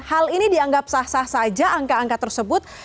hal ini dianggap sah sah saja angka angka tersebut